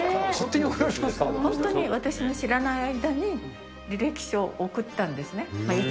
本当に、私の知らない間に履歴書送ったんですね。